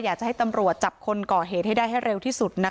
อยากจะให้ตำรวจจับคนก่อเหตุให้ได้ให้เร็วที่สุดนะคะ